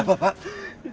wa'alaikum salam tuhan